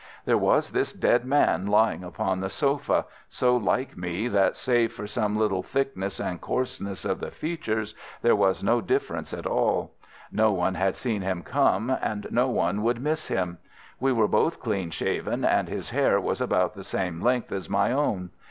"There was this dead man lying upon the sofa, so like me that save for some little thickness and coarseness of the features there was no difference at all. No one had seen him come and no one would miss him. We were both clean shaven, and his hair was about the same length as my own.